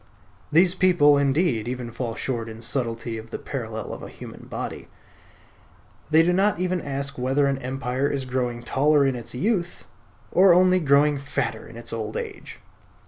These people, indeed, even fall short in subtlety of the parallel of a human body. They do not even ask whether an empire is growing taller in its youth, or only growing fatter in its old age.